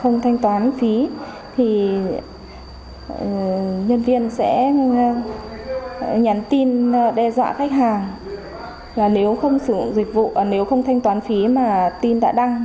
nhân viên sẽ nhắn tin đe dọa khách hàng nếu không thanh toán phí mà tin đã đăng